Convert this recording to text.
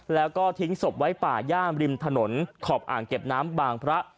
แล้วก็ทิ้งศพไว้ป่าย่ามริมถนนขอบอ่างเก็บน้ำบางพระ